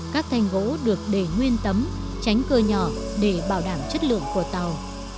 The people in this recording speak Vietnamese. các thanh gỗ được để nguyên tấm tránh cơ nhỏ để bảo đảm chất lượng của tàu